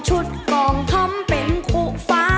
ชุดกล่องท้อมเป็นคุฟ้า